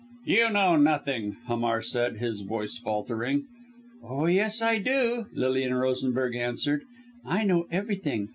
"You know nothing," Hamar said, his voice faltering. "Oh, yes, I do!" Lilian Rosenberg answered. "I know everything.